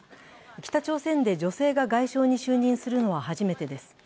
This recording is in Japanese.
北朝鮮で女性が外相に就任するのは初めてです。